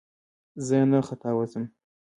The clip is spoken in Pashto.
زه نه ختاوزم !